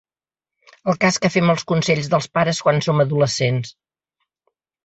El cas que fem als consells dels pares quan som adolescents.